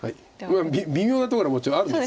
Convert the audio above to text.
微妙なところはもちろんあるんです。